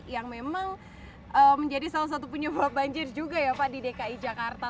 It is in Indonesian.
yang memang menjadi salah satu penyebab banjir juga ya pak di dki jakarta